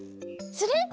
する？